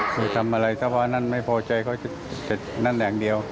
คือทำอะไรถ้าว่านั่นไม่พอใจเขาจะนั่นอย่างเดียว